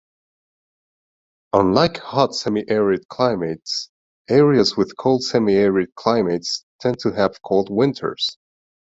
Unlike hot semi-arid climates, areas with cold semi-arid climates tend to have cold winters.